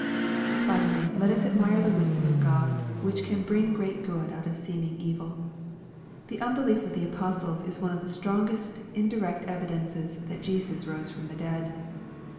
Finally, let us admire the wisdom of God, which can bring great good out of seeming evil. The unbelief of the apostles is one of the strongest indirect evidences that Jesus rose from the dead.